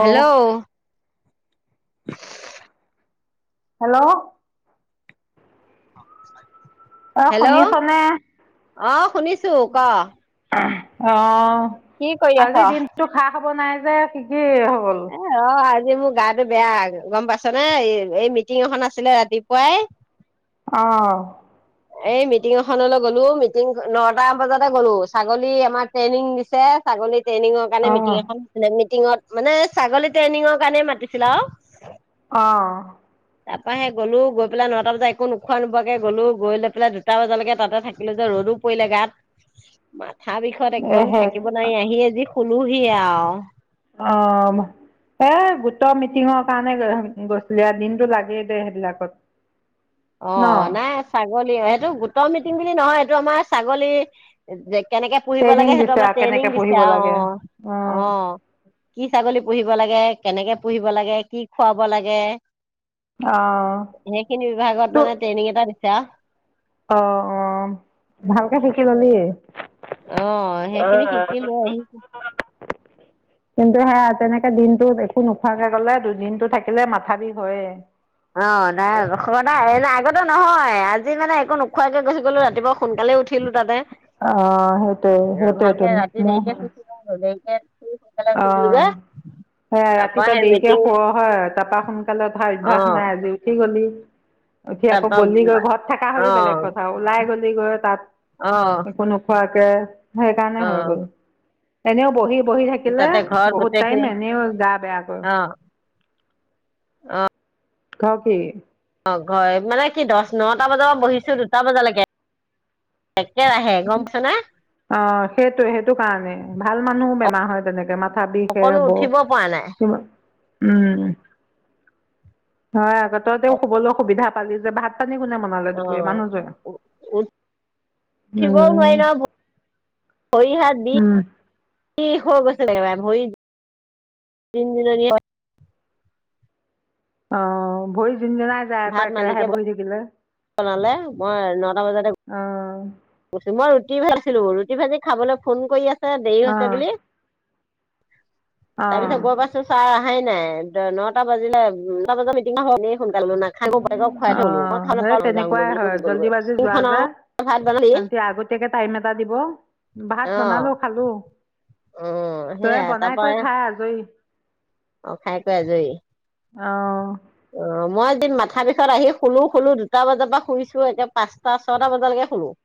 Hello, hello, অ hello শুনিছনে অ' শুনিছোঁ ক। অ', কি কৰি আছ আজি দিনতটো খা-খবৰ নাই যে কি কি হ'ল? এ অ' আজি মোৰ গাটো বেয়া গম পাইছ নে এই মিটিং এখন আছিলে ৰাতিপুৱাই অ', এই মিটিং এখনলৈ গ'লো মিটিং নটা বজাতে গ'লো ছাগলী আমাৰ ট্ৰেইনিং দিছে। ছাগলী ট্ৰেইনিংত কাৰণে অ মিটিং এখন মানে মিটিঙত মানে ছাগলী ট্ৰেইনিঙৰ কাৰণে মাতিছিল আৰু অ', তাৰপৰা সে গলো গৈ পেলাই নটা বজাত একো নোখোৱা-নোবোৱাকে গ'লো। গৈ লৈ পেলাই দুটা বজালৈকে তাতে থাকিলো যে ৰ'দো পৰিলে গাত মাথা বিষত এ একদম সেই থাকিব নোৱাৰি আহি এজি খুলোহি আৰু অ, এ' গোটৰ মিটিঙৰ কাৰণে গৈছিলে আৰু দিনতটো লাগেই দে সেইবিলাকত। [unintelligible] অ, নাই ছাগলী সেইটো গোটৰ মিটিং বুলি নহয় এইটো আমাৰ ছাগলী যে কেনেকে পোঢ়িব ট্ৰেইনিং লাগে সেইটো দিছে আমাৰ আৰু কেনেকে ট্ৰেইনিং দিছে পঢ়িব আৰু অ, লাগে অ, কি ছাগলী পুহিব লাগে কেনেকে পুহিব লাগে কি খুৱাব লাগে, অ, সেইখিনি বিভাগত তো মানে ট্ৰেইনিং এটা দিছে আৰু। অ, অ, ভালকে শিকি ললি? অ, সেইখিনি শিকিলো আহিছোঁ। [inaudible] কিন্তু সে তেনেকে দিনটো একো নোখোৱাকে গলে দুদিনটো থাকিলে মাথা বিষ হৈয়ে। অ, নাই খবৰ দা এনে আগতে নহয় আজি মানে একো নোখোৱাকে গুি গলো ৰাতিপুৱা সোনকালে উঠিলো তাতে। অ, সেইটোৱে এ ভালকে সেইটোৱ [inaudible] ৰাতি [inaudible] অ, যে সেয়া ৰাতি তাৰপৰা তই সেই দেৰিকে মিটিং শুৱ। হয় তাৰাপা সোনকালে উঠাৰ অ অভ্যাস নাই আজি উঠি গলি, উঠি আকৌ তাৰপৰা গলিগৈ ঘৰত থকা হৈ অ বেলেগ কথা ওলাই গলিগৈ তাত। অ, একো নোখোৱাকে সেইকাৰণে হয় অ', গ'ল। এনেও বহি বহি থাক থাকিলে তাতে ঘৰত বহুত টাইম গোটেইখিনি এনেইও গা বেয়া কৰে। অ', [inaudible] অ, ঘৰ মানে কি দহ নটা বজাৰ পৰা বহিছো দুটা বজালৈকে। একেৰাহে গম পাইছ নে? অ, সেইটো সেইটো কাৰণে ভাল মানুহো বেমাৰ হয় তেনেকে মাত থা বিষে অকনো হ'ব উঠিব পৰা নাই কিবা, উম, হয় আগতেতেও শুবলৈ সুবিধা পালি যে ভাত পানী কোনে ব অ, উ-উ-উঠিবও নোৱাৰি উম ন ভৰি হাত বি উম ষ হৈ গছে [inaudible] অ, ভৰি যোন জিন জিনাই যায় আকৌ একেৰাহে বহি থাকিলে। জনালে মই নটা বজাতে অ [inaudible] মই ৰুটি ভাজিছিলোঁ ৰুটি ভাজি খাবলৈ ফোন কৰি আছে দেৰি অ হৈছে বুলি, অ তাৰপিছত গ, প ছাৰ আহহাই নাই নটা, বাজিলে নটা বজাত মিটিঙ হ ন সোনকালে নাই অ, সেই তেনেকুৱাই বুলি কৈ হয় গুচি জল্দি গ'লোগৈ বাজি যোৱা মিটিংখন যা আও ভাত বনালি আগতীয়াকে টাইম এটা দিব। ভাত অ বনালো খালো। অ, তই সেয়া তাৰ বনাই প কৰি খাই আজৰি। অ, খাই কৰি আজৰি। অ, অ, মই এদিন মাথা বিষত আহি শলো শলো দুটা বজাৰ পৰা শুইছো এতিয়া পাঁচ ছয়টা বজালৈকে খোলো।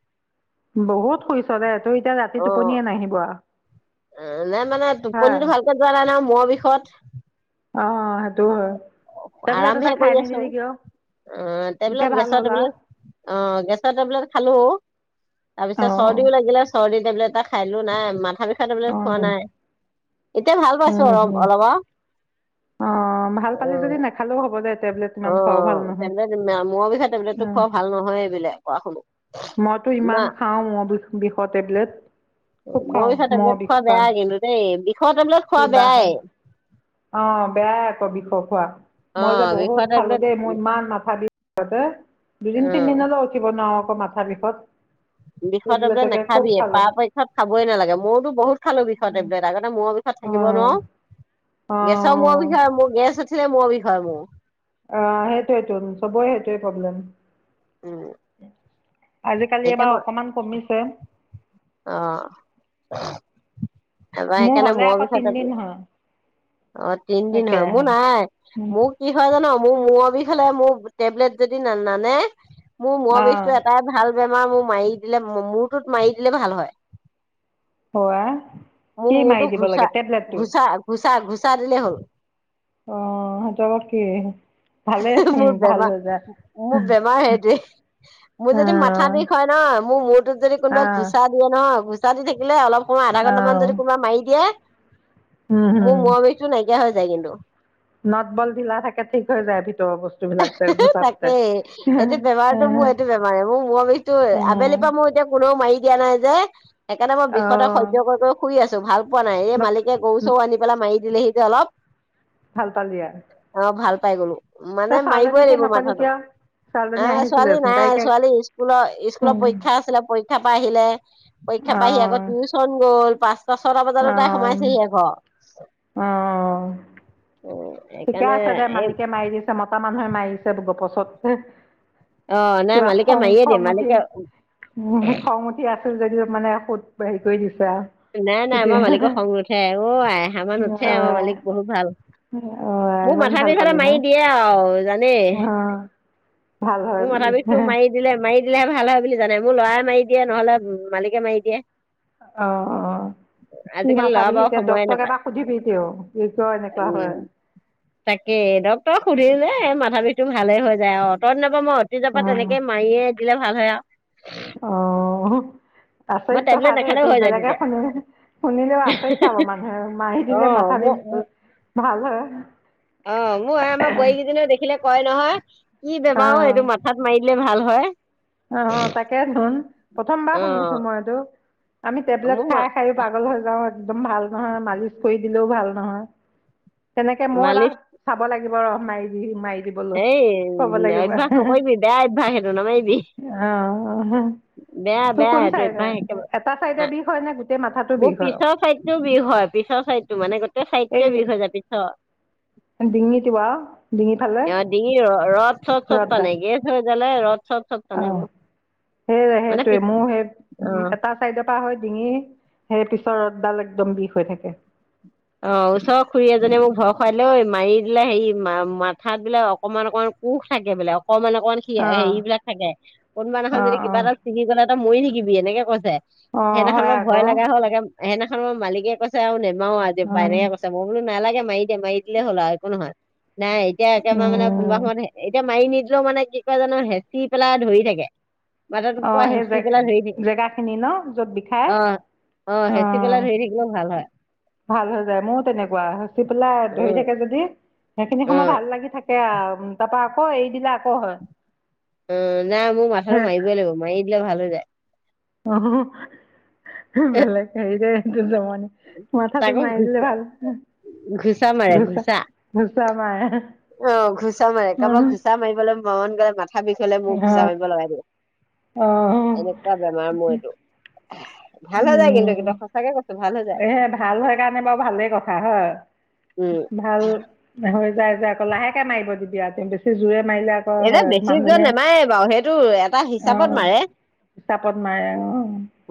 বহুত শুইছ দে তোৰ এতিয়া ৰাতি টোপনিয়ে নাহিব আৰু। এ, নে মানে হা টোপনিটো ভালকে যোৱা নাই নাই মোৰ বিষত। অ, সেইটো হয়। টেবলেট আৰাম এটা হে খাই কৰি আছো নিদিলি কিয় অ, এতিয়া টেবুলত ভাল গেছৰ হ'ল টেবুলত। আৰু অ, গেছৰ টেবলেট খালো তাৰপিছত চৰ্দিও অ লাগিলে। চৰ্দি টেবলেট এটা খাই লো নাই মাথা বিষা অ টেবলেট খোৱা নাই। এতিয়া ভাল পাইছো উম অল উম। অলপমান। অ, ভাল পালি যদি নেখালেও হ'ব দে টেবলেট। ইমান অ, খোৱাও ভাল নহয় টেবলেট মোৰ বিষে টেবলেট অ টো খোৱা ভাল নহয় এইবোলে কৰা শুনো। মইতো না ইমান খাওঁ বিষৰ টেবলেট। খুব মই খাওঁ বিষৰ মূৰৰ টেবলেট বিষ খোৱা কাৰণে বেয়াই কিন্তু দেইই বিষৰ টেবলেট কি খোৱা বা হয় বেয়াই। অ, বেয়াই আকৌ বিষ খোৱা অ মই যে বহুত বিষৰ খালো টেবলেট দেই মোৰ ইমান মাথা বিষ আতে দুদিন অ তিনদিনলৈ উঠিব ন আকৌ মাথাাৰ বিষত। বিষৰ টবলেট টেবলেটকে খুব নাখাবিয়োৰ খালো পক্ষত খাবই নালাগে ময়ওো বহুত খালো বিষৰ টবলেট আগতে মই অ থাকিব ন অ গেছৰ মোৰ বিষয় মোৰ গেছ উঠিলে মোৰ বিষয় মোৰ। অ, সেইটোৱেটো চবয় সেইটোয়ে প্ৰব্লেম। উম, আজিকালি এতিয়া এইবাৰ মই অকমান কমিছে। অ, এবাৰ মোৰ সেইকাৰণে হ'লে মূৰৰ আকৌ বিষৰ টেবলেট তিনদিন হয়। অ, তিনিদিন হয়, মোৰ একেৰাহে নাই উম মোক কি হয় জানো, মোৰ মূৰৰ বিষাললে মোৰ টেবলেট যদি ন নানে। মোৰ মৰ বিষটো অ', এটাই ভাল বেমাৰ মোৰ মাৰি দিলে মূটোত মাৰি দিলে ভাল হয়। অ‌, আই। মোৰ মূৰতো ঘোচা, ঘোচা, ঘোচা, ঘোচা দিলে হ'ল। [unintelligible] ভালেই চোন মোৰ ভাল বেমাৰ, হৈ যায় মোৰ বেমাৰ সেইটোৱে। মোৰ যদি মাথা অ', বিষ হয় ন, মোৰ মূৰটোোত যদি কোনোবা অ', ঘোচা দিয়ে নহয় গুচা দি থাকিলে অলপ সময় আধা ঘণ্টামান অ', যদি কোনোবা মাৰি দিয়ে। উম, মোৰ হম মূৰ বিষটো নাইকিয়া হৈ যায় কিন্তু। নদ, বল ঢিলা থাকে। ঠিক হৈ যায় ভিতৰৰ বস্তু বিলাক যে ঘোচাটোতে তাকেই এইটো বেমাৰতটো মোৰ এইটো বেমাৰে মোৰ বি ত, আবেলি অ', বা পৰা মোৰ কোনেও মাৰি দিয়া নাই যে একেদ মই বিষতে সজয় কৰি কৰি শুই আছো ভাল পোৱা নাই এই নক মালিকে গৰু চৌ, আনি পেলাই মাৰি দিলেিহতে অলপ। ভাল পালি আৰু। অ, ভাল পাই গলো মানে তই মাৰিবই ছোৱালীজনীকে লাগিব নকলি মাথাটো। কিয় ছোৱালীজনী আহ ছোৱালী আহিছিলেচোন নাই তাইকে ছোৱালী স্কুলৰ স্কুলত অ', পৰীক্ষা আছিলে পৰীক্ষা পৰা আহিলে। পৰীক্ষা পাইহি আকৌ টিউশচন গ'ল পাঁচটা ছটা বজাতো তাই সোমাইছেহি আ ঘৰ। অ অ অ [unintelligible] ঠিকে আছে দে মালিকে মাৰি দিছে মতা মানুহে মাৰিছে গপচত হে অ নাই কিবা মালিকে খং মাৰিয়ে দিম খং উঠি মালিকে হম খং উঠি আছিল যদিও মানে সুদ হেৰি কৰি দিছে আৰু নাই নাই তেতিয়া আমাৰ মালিকৰ খং নুঠে অ আই আমাৰ নুঠে আমাৰ অঁ মালিক বহুত ভাল অঁ মোৰ ইমান মাথা ভাল বিষ হলে পালি ন মাৰি দিয়েই আৰু জানেই অঁ ভাল হয় মোৰ বুলি মথা বিষটো মাৰি দিলে মাৰি দিলে ভাল হয় বুলি জানে মোৰ লৰাই মাৰি দিয়ে নহলে মালিকে মাৰি দিয়ে অ অ কি আজিকালি মাথা ল'ৰা বিষ বাৰু এতিয়া সময়ে ডক্টৰক নাপায় এবাৰ সুধিবি কিয় কি কিয় এনেকুৱা হয়? উম তাকে ডক্টৰক সুধিলে এ মাথা বিষতটো ভালে হৈ যায় অত দিনৰ পৰা মই তিজপা অঁ তেনেকে মাৰিয়ে দিলে ভাল হয় আৰু অ হ মই আচৰিত কথা টেবলেট দেই নাখালেও তোৰ হৈ যায় বেলেগে তেতিয়া শুনিলে শুনিলেও আচৰিত পাব মানুহে মাৰি দিলে অঁ মাথা মোৰ দিম ভাল হে। অ মোৰ এ আমাৰ বোৱাৰীকেইজক দেখিলে কয় নহয় কি বেমাৰো ও এইটো অ', মা থাত মাৰি দিলে ভাল হয়। অ তাকে ধুন প্ৰথমবাৰ শুনিছো অঁ মই এইটো আমি টেবলেট মোৰ মা খাই খাইয়ো পাগল হৈ যাওঁ একদম ভাল নহয় মালিচ কৰি দিলেও ভাল নহয় তেনেকে মই এবাৰ মালিচ চাব লাগিব ৰহ মাৰি দি মাৰি দি 'সেই অ অভ্যাস নকৰিবি, বেয়া অভ্যাস সেইটো নামাৰিবি। ' অ হে হে বেয়া, বেয়া, এইটো অভ্যাস একেবাৰে এটা চাইডে বেয়া। বিষ হয় নে গোটেই মাথাটো মোৰ বিষ হয়? পিছৰ চাইড টো বিষ হয়। পিছৰ চাইডটো, মানে গোটেই চাইডটোৱে বিষ হৈ যায়। পিছৰ ডিঙিত কিবা, ডিঙি ফালে এয়া ডিঙিৰ ৰদ চদ চব ৰদডাল টানে গেছ হৈ গেলে ৰদ চদ চব অ, টানে মোৰ সেই মানে সেইটোৱে পিছ মোৰ সেই অ এটা! ! চাইডৰ পৰা হৈ ডিঙি, সেই পিছৰ ৰদডাল একদম বিষ হৈ থাকে। অ, ওচৰৰ খুৰী এজীয়ে মোক ভয় খুৱাই দিলে ঐ মাৰি দিলে, হেৰি মা মাথাত বোলে অকমান, অকমান, পোক থাকে বোলে, অকণমান -অকমান কি এ অ'। হেৰিবিলাক থাকে, কোনোবা অ', দিনাখন যদি কিবা অ', এটা ছিঙি গ'লে তই মই থাকিবি এনেকে কৈছে, অ', সেইদিনাখন হয় মই ভয় আকৌ লগা হ'ল সেইদিনাখন মই মালিকে কৈছে আৰু নেমাৰু আজিৰে পা অ', এনেকে কৈছে মই বোলো নালাগে মাৰি দে, মাৰি দিলে হ'ল আৰু একো নহয়। নাই এতিয়া একেবাৰে মানে কোনোবা উম। সময়ত এতিয়া মাৰি নিদিলেও মানে কি কৰে জানো হেঁচি পেলাই ধৰি থাকে। মাথাটো পুৰা অ', সেই জে হেঁচি পেলাই ধৰি থাকে। জেগা খিনি ন য'ত বিষাই অহ অ, হেচি পেলাই ধৰি থাকিলেও ভাল হয়। ভাল হৈ যায়, ময়ো তেনেকুৱা হেচি পেলাই ধৰি উম থাকে যদি, সেইখিনি অ সময় ভাল লাগি থাকে। সেয়া আৰু তাৰপা আকৌ এৰি দিলে আকৌ হয়। উম, নাই মোৰ মাথাটো হে মাৰিবই লাগিব। মাৰি দিলে ভাল হৈ যায়। অ হ হ বলেগ হয় দে এইটো জমনি মাথাটো তাকো মাৰি দিলে ঘুচা ভাল হৈ যায়, ঘুচা মাৰে ঘোঁচা, ঘুচা ঘোঁচা মাৰা। অ, ঘোঁচা মাৰে, কাৰোবাক ঘোঁচা মাৰিবলৈ মন গ'লে মাথা খাবিছ হলে মোক অ', জাৰিব লগাই দিয়ে অ', এনে কিবা বেমাৰ মোৰ এইটো। ভাল হৈ যায় কিন্তু উম, একদম সঁচাকে কৈছো ভাল হৈ যায় এহে ভাল হয় কাৰণে বাৰু ভালেই কথা হয়। উম ভাল হৈ যায় যে, আকৌ লাহেকে মাৰিব দিবি আকৌ, আৰু বেছি জোৰে মাৰিলে আকৌ এতিয়া হয় বেছি জোৰত মানুহজনীয়ে নামাৰে বাৰু, সেইটো এটা হিচাপত মাৰে। হিচাপত মাৰে। অ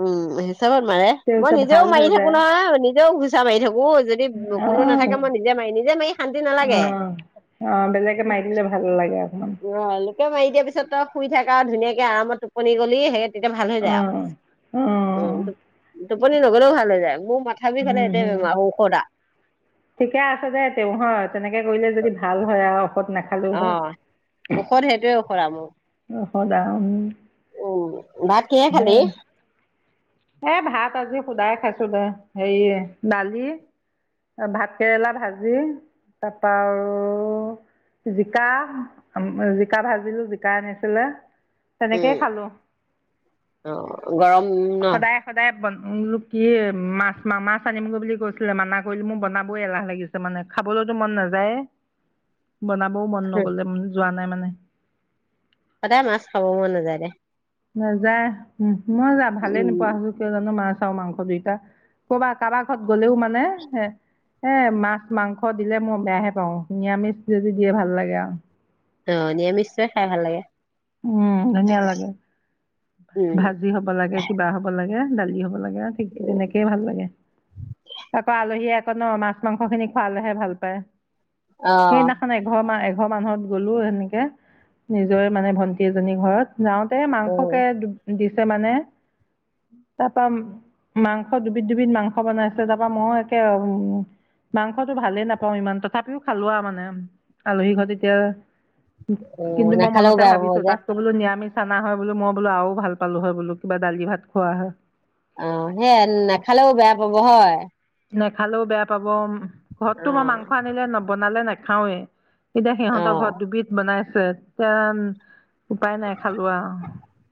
উম, হিচাপত মাৰে। মই নিজেও হৈ মাৰি থাকো যায় নহয়, নিজেও ঘুচা মাৰি থাকো, যদি কোনো নাথাকে মই নিজে মাৰি নিজে মাৰি শান্তি অ, নালাগে অ, বেলেগে মাৰি দিলে ভাল লাগে অকমান। অহ, লোকে মাৰি দিয়াৰ পিছত তই শুই থাক আৰু ধুনীয়াকে আৰামত টোপনি গলি। সেই তেতিয়া ভাল হৈ যায় অঁ আৰু অঁ উম, টোপনি নগলেও ভাল হৈ যায়। মোৰ মাথা বিষ হ'লে, এইটোৱে বেমাৰ ঔষধ আও। ঠিকে আছ দে তেওঁ হয়, তেনেকে কৰিলে যদি ভাল হয় আও, ঔষধ নাখালেও হয়। ঔষধ সেইটোৱে ঔষধ আৰু মোৰ। ঔষধ আৰু উম, ভাত কিহে খালি? এ ভাত আজি সুদায় খাইছো দে, হেৰি দালি। ভাতকেৰেলা ভাজি, তাৰপৰা আৰু জিকা, জিকা ভাজিলো, জিকা আনিছিলে, তেনেকেই খালোঁ। অহ, গৰম ন'। সদায় সদায় বনালোঁ, কি মাছ-মাছ আনিম গৈ বুলি কৈছিলে। মানা কৰিলোঁ মোৰ বনাব এলাহ লাগিছিল। মানে খাবলৈওতো মন নাযায়ে, বনাবও মন নগ'লে, যোৱা নাই মানে। সদায় মাছ খাব মন নাযায় দে। নাযায়, মই যা ভালে নোপোৱা উম, হৈছো, কিয় জানোঁ মাছ আৰু মাংস দুইটা। ক'বাত, কাৰোবাক ঘৰত গ'লেও মানে হে এ মাছ মাংস দিলে মই বেয়াহে পাওঁ, নিয়ামিচ যদি দিয়ে ভাল লাগে আৰু। অহ, নিৰামিষতোয়ে খাই ভাল লাগে। উম, ধুনীয়া লাগে। ভা ভাজি হ'ব লাগে, কিবা হ'ব লাগে, দালি হ'ব লাগে, ঠিক তেনেকেই ভাল লাগে। আকৌ, আলহীয়ে আকৌ ন' মাছ-মাংসখিনি খোৱালেহে ভাল পায়। অ', সেইদিনাখন এঘৰ মাহ, এঘৰ মানত গ'লো সেনেকে নিজৰে মানে ভন্টি। ভন্টি এজনী ঘৰত যাওঁতে, উম, মাংসকে দিছে মানে তাৰপৰা মাংস দুবিধ-দুবিধ মাংস বনাইছে, তাৰপা মই একে উম। মাংসটো ভালে নাপাওঁ ইমান তথাপিও খালোঁ আৰু মানে আলহী ঘৰত যেতিয়া। উম, অ কিন্তু মই নাখালেও মনতে বেয়া ভাবিছোঁ। পাব যে ত' বোলো নিৰামিষ আনা হয় বোলো, মই বোলো আৰু ভাল পালোঁ হয় বোলো, কিবা দালি ভাত খোৱা হয়। অহ, সেয়াই নাখালেও বেয়া পাব হয়। নেখালেও বেয়া পাব, ঘৰততো মই মাংস অ', আনিলে নবনালে নেখাওৱে। এতিয়া অ সিহঁতৰ ঘৰত দুবিধ বনাইছে, তে উপায় নাই খালোঁ আৰু।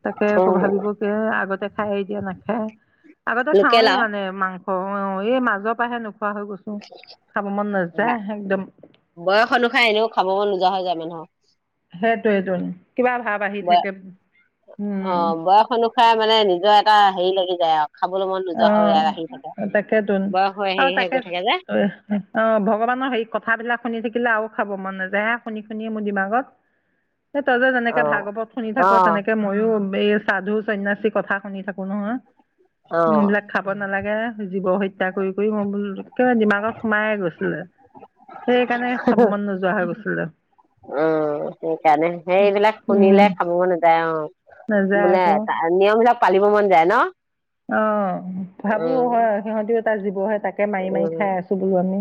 তাকে আকৌ ভাবিব কি আগতে খায় এতিয়া নাখায়। আগতে লোকেল খাওৱেই আও মানে মাংস অহ, এই মাজৰ পৰা আহে নোখোৱা নোখোৱা হৈ গৈছোঁ, খাব মন নাযায় বা একদম। বয়স অনুসায় এনেইও খাব নোযোৱা হৈ যায় মানুহৰ। সেইটোয়েইটো কিবা ভাৱ আহি বয় থাকে উম। খাই মানে নিজৰ এটা হেৰি লাগি যায় আৰু। খাবলৈ মন নোযোৱা হৈ আহি থাকে অহ, তাকেতোন বয়স হৈ হেৰি আৰু হৈ তাকে গৈ অহ, থাকে যে ভগৱানৰ সেই কথাবিলাক শুনি থাকিলে আৰু খাব মন নাযায় হে শুনি-শুনি মোৰ দিমাগত। সেই তহঁতে যে যেনেকে অ', ভাগৱত শুনি থাক, অ', তেনেকে মইও এই সাধু সন্যাসী কথা শুনি থাকো নহয়। উম, অ', এইবিলাক খাব নালাগে জীৱ হত্যা কৰি। মই বোলো ডিমাগত সোমাইে গৈছিলে, সেইকাৰণে খাব মন নোযোৱা হৈ গৈছিলে। অহ, সেইকাৰণে সেই এইবিলাক উম শুনিলে খাব নাযায় আৰু। নাযায় বোলে আকৌ নিয়মবিলাক পালিব মন যায় ন'। অহ, ভাবোঁ উম, হয় সিহঁতেও এটা জীৱহে তাকে মাৰি-মাৰি উম খাই আছোঁ। কিজানি,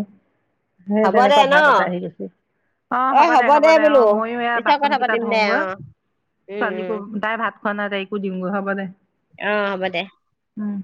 সেই হ'ব দে তেনেকুৱা ন ভাৱ এটা আহি গৈছে। অহ, হ'ব দে, হ'ব দে। অহ, মইও এয়া পিছত বাচন কথা কেইটা পাতিম দে অ ধোওঁগৈ। উম ছোৱালীকো উম তাই ভাত খোৱা নাই তাইকো দিওঁ গৈ, হ'ব দে। অহ, হ'ব দে। উম।